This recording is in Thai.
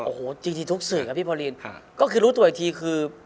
โอ้โหจริงทุกส่วนพี่พอรีนก็คือรู้ตัวอีกที